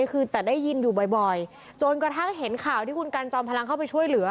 คือแต่ได้ยินอยู่บ่อยจนกระทั่งเห็นข่าวที่คุณกันจอมพลังเข้าไปช่วยเหลือ